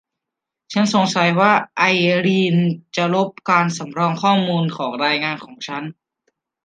ฉันสงสัยว่าไอรีนจะลบการสำรองข้อมูลของรายงานของฉัน